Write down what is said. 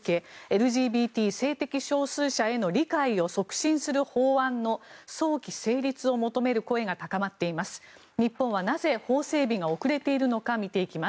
ＬＧＢＴ・性的少数者への理解を促進する法案の早期成立を求める声が高まっています。